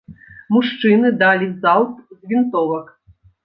Мужчыны далі залп з вінтовак.